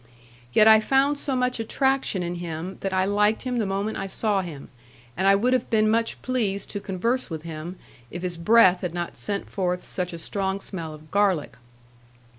Yet I found so much attraction in him that I liked him the moment I saw him, and I would have been much pleased to converse with him if his breath had not sent forth such a strong smell of garlic.